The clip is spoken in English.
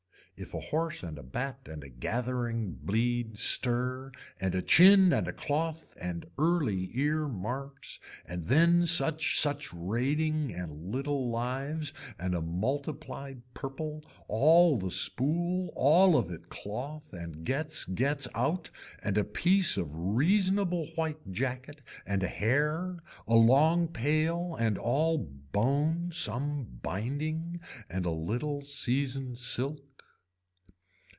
If a horse and a bat and a gathering bleed stir and a chin and a cloth and early ear marks and then such such raiding and little lives and a multiplied purple, all the spool all of it cloth and gets gets out and a piece of reasonable white jacket and a hair a long pail and all bone some binding and a little season silk.